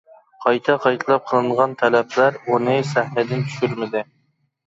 قايتا-قايتىلاپ قىلىنغان تەلەپلەر ئۇنى سەھنىدىن چۈشۈرمىدى.